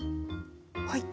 はい。